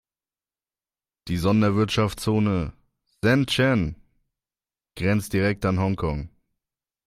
Die Sonderwirtschaftszone Shenzhen grenzt direkt an Hongkong.